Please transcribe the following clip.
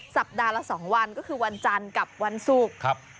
สัปดาห์ละ๒วันก็คือวันจันทร์กับวันศุกร์ครับ